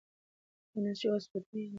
ایا نسج اوس بدلېږي؟